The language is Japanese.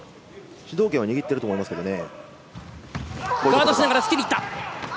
主導権は握っていると思いますけどね。